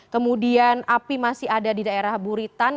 kemudian api masih ada di daerah buritan